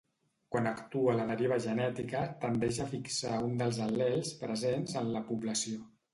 Quan actua la deriva genètica, tendeix a fixar un dels al·lels presents en la població.